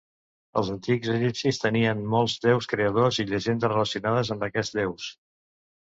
Els antics egipcis tenien molts déus creadors i llegendes relacionades amb aquests déus.